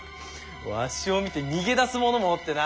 わしを見て逃げ出す者もおってな。